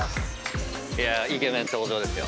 イケメン登場ですよ。